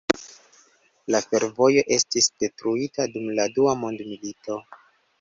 La fervojo estis detruita dum la Dua Mondmilito.